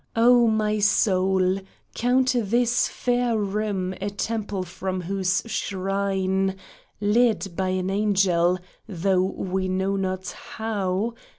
O my soul, Count this fair room a temple from whose shrine, Led by an angel, though we know not how.